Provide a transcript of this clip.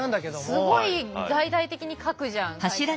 すごい大々的に書くじゃん会社に。